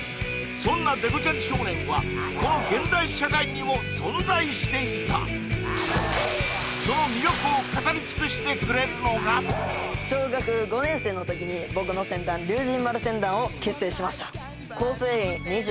そんなデコチャリ少年はこの現代社会にも存在していたその魅力を語り尽くしてくれるのが小学５年生の時に僕の船団龍神丸船団を結成しました構成員２８人